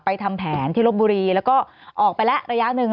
ทำแผนที่ลบบุรีแล้วก็ออกไปแล้วระยะหนึ่ง